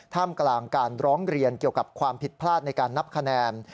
ท่ามกลางการร้องเรียนเกี่ยวกับความผิดพลาดในการนับคะแนน